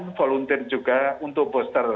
dan volunteer juga untuk booster